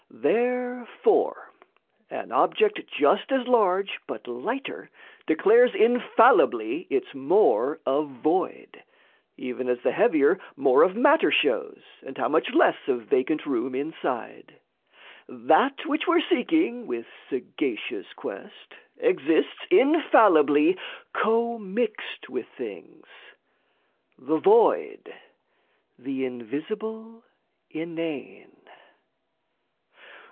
Therefore, an object just as large but lighter Declares infallibly its more of void; Even as the heavier more of matter shows, And how much less of vacant room inside. That which we're seeking with sagacious quest Exists, infallibly, commixed with things The void, the invisible inane.